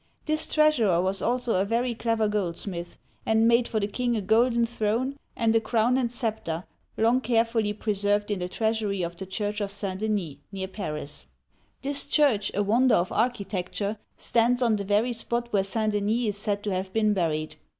This treasurer was also a very clever goldsmith, and made for the king a golden throne, and a crown and scepter, long carefully preserved in the treasury of the Church of St. Denis, near Paris. This church — a wonder of architec ture — stands on the very spot where St. Denis is said to have been buried.